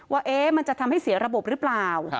ว่ามันจะทำให้เสียระบบหรือเปล่า